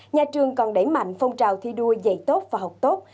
nhà trường còn đẩy mạnh phong trào thi đua dạy tốt và học tốt